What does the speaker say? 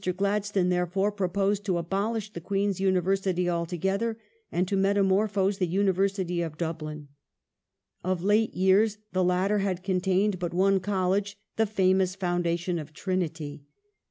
Gladstone, therefore, proposed to abolish the Queen's ^ijl University altogether and to metamorphose the University of Dub '^ lin. Of late years the latter had contained but one college, the famous foundation of Trinity.